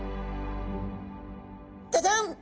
ジャジャン！